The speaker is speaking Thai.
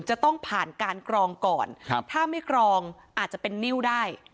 จะต้องผ่านการกรองก่อนถ้าไม่กรองอาจจะเป็นนิ้วได้